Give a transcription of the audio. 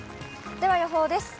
では予報です。